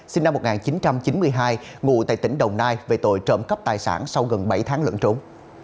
sinh năm một nghìn chín trăm chín mươi hai ngụ tại tỉnh đồng nai về tội trộm cắp tài sản sau gần bảy tháng lẫn trốn